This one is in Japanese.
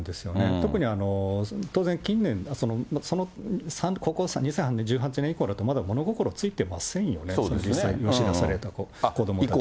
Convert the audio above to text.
特に当然、近年、高校２、３年、１８年以降ってまだ物心ついてませんよね、養子出された子ども。